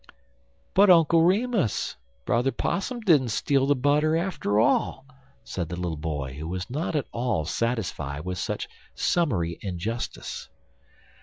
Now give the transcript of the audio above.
"But, Uncle Remus, Brother Possum didn't steal the butter after all," said the little boy, who was not at all satisfied with such summary injustice.